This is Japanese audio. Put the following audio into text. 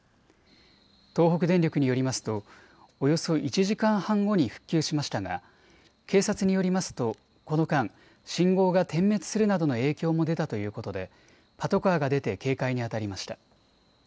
東北電力によりますとおよそ１時間半後に復旧しましたが警察によりますとこの間、信号が点滅するなどの影響も出たということでパトカーが出て警戒にあたりました。